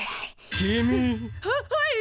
君。ははい！